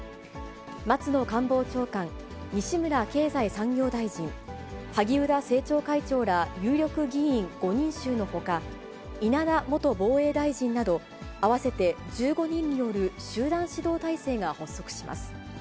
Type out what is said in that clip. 松野官房長官、西村経済産業大臣、萩生田政調会長ら有力議員、５人衆のほか、稲田元防衛大臣など、合わせて１５人による集団指導体制が発足します。